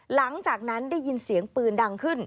หลังจากนั้นได้ยินเสียงปืนดังขึ้น